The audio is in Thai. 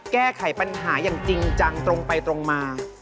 แก้ไขปัญหาอย่างจริงจังตรงไปตรงมา